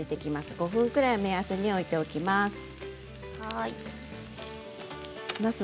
５分ぐらいを目安に置いておきます。